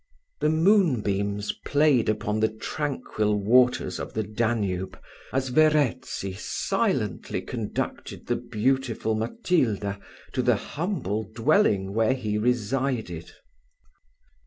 The moon beams played upon the tranquil waters of the Danube, as Verezzi silently conducted the beautiful Matilda to the humble dwelling where he resided.